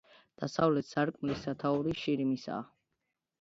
დასავლეთ სარკმლის სათაური შირიმისაა.